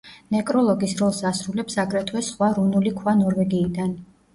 ნეკროლოგის როლს ასრულებს აგრეთვე სხვა რუნული ქვა ნორვეგიიდან.